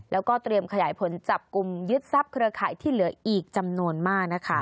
แล้วก็เตรียมขยายผลจับกลุ่มยึดทรัพย์เครือข่ายที่เหลืออีกจำนวนมากนะคะ